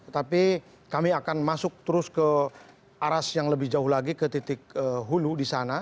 tapi kami akan masuk terus ke aras yang lebih jauh lagi ke titik hulu di sana